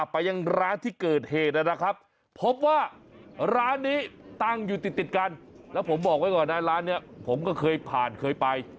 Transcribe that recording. ไปยังร้านที่เกิดเหตุนะครับพบว่าร้านนี้ตั้งอยู่ติดติดกันแล้วผมบอกไว้ก่อนนะร้านนี้ผมก็เคยผ่านเคยไป